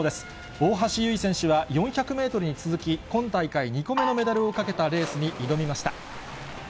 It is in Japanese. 大橋悠依選手は、４００メートルに続き、今大会２個目のメダルをかけたレースに挑みました。